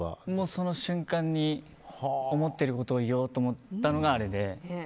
その瞬間に思ってることを言おうと思ったのがあれで。